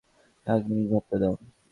এক মিনিট ভাবতে দাও।